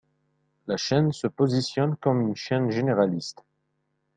La chaîne se positionne comme une chaîne généraliste.